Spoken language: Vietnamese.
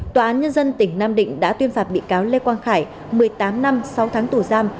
tòa án nhân dân tỉnh nam định đã tuyên phạt bị cáo lê quang khải một mươi tám năm sáu tháng tù giam